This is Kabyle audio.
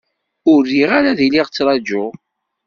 Ur riɣ ara ad iliɣ trajuɣ.